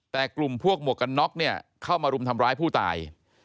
แต่กลุ่มพวกหมวกกันน็อกเนี่ยเข้ามารุมทำร้ายผู้ตาย